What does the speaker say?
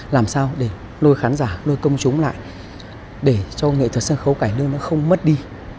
làm sao để lôi khán giả lôi công chúng lại để cho nghệ thuật sân khấu cải lương nó không mất đi